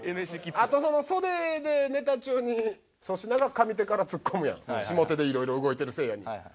あと袖でネタ中に粗品が上手からツッコむやん下手でいろいろ動いてるせいやに。